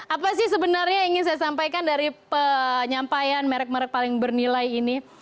apa sih sebenarnya ingin saya sampaikan dari penyampaian merek merek paling bernilai ini